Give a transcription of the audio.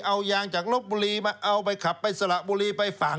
เอายางจากลบบุรีมาเอาไปขับไปสระบุรีไปฝาก